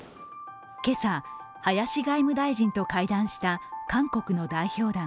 今朝、林外務大臣と会談した韓国の代表団。